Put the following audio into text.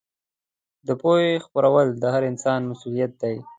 د پوهې خپرول د هر انسان مسوولیت دی.